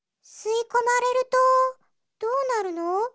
すいこまれるとどうなるの？